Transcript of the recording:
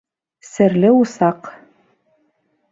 СЕРЛЕ УСАҠ